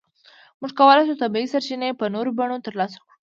موږ کولای شو طبیعي سرچینې په نورو بڼو ترلاسه کړو.